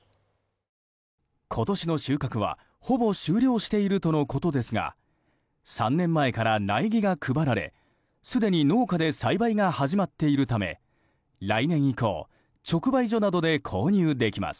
今年の収穫はほぼ終了しているとのことですが３年前から苗木が配られすでに農家で栽培が始まっているため来年以降直売所などで購入できます。